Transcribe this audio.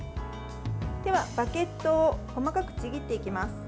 では、バゲットを細かくちぎっていきます。